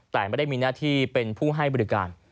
แต่ไม่ได้มีหน้าที่เป็นผู้ให้บริการ